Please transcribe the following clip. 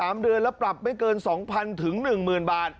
๓เดือนแล้วปรับไม่เกิน๒๐๐๑๐๐บาท